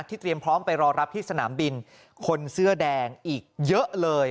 เตรียมพร้อมไปรอรับที่สนามบินคนเสื้อแดงอีกเยอะเลย